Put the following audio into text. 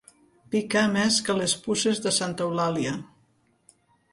Picar més que les puces de santa Eulàlia.